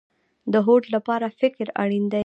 د هوډ لپاره فکر اړین دی